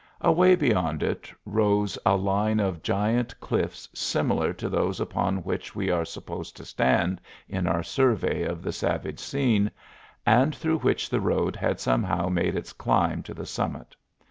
Away beyond it rose a line of giant cliffs similar to those upon which we are supposed to stand in our survey of the savage scene, and through which the road had somehow made its climb to the summit.